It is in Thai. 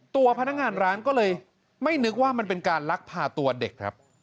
ตัวพนักงานร้านก็เลยไม่นึกว่ามันเป็นการลักพาตัวเด็กครับ